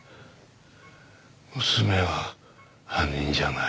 娘は犯人じゃない。